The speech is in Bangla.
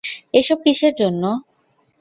এসব কিসের জন্য?